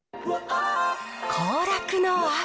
行楽の秋。